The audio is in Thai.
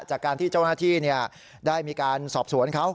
จากการที่เจ้าหน้าที่ได้มีการสอบสวนเขา